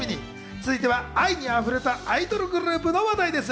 続いては愛に溢れたアイドルグループの話題です。